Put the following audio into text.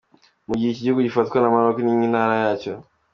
Ni mu gihe iki gihugu gifatwa na Maroc nk’intara yayo.